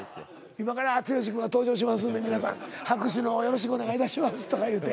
「今から剛君が登場しますんで皆さん拍手の方よろしくお願いいたします」とか言うて？